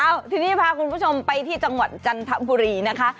เอาทีนี้พาคุณผู้ชมไปที่จังหวัดจันทบุรีนะคะ